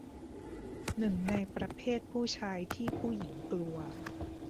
หนึ่งในประเภทผู้ชายที่ผู้หญิงกลัว